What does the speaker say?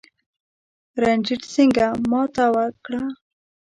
رنجیټ سینګه ماته وکړه.